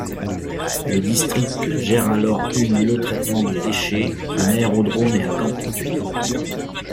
Le district gère alors une le traitement de déchets, un aérodrome et un camping.